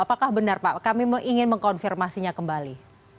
apakah benar pak kami ingin mengkonfirmasinya kembali